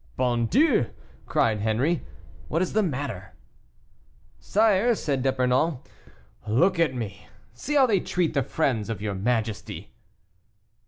"Bon Dieu!" cried Henri, "what is the matter?" "Sire," said D'Epernon, "look at me; see how they treat the friends of your majesty."